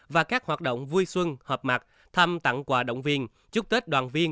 và các hoạt động vui xuân họp mặt thăm tặng quà động viên chúc tết đoàn viên